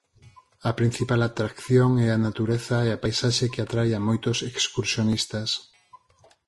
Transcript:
A principal atracción é a natureza e a paisaxe que atrae a moitos excursionistas.